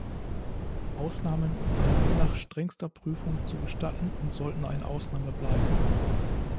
Ausnahmen seien nur nach strengster Prüfung zu gestatten und sollten eine Ausnahme bleiben.